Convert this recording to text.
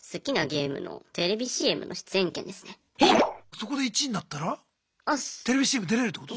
そこで１位になったらテレビＣＭ出れるってこと？